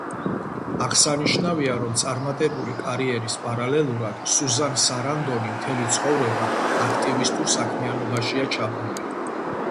აღსანიშნავია, რომ წარმატებული კარიერის პარალელურად, სუზან სარანდონი მთელი ცხოვრება აქტივისტურ საქმიანობაშია ჩაბმული.